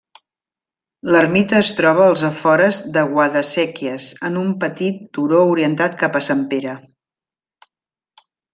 L'ermita es troba als afores de Guadasséquies, en un petit turó orientat cap a Sempere.